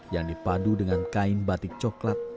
yang dipadu dengan kain batik coklat